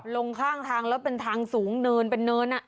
ลงข้างทางแล้วเป็นทางสูงเนินเป็นเนิน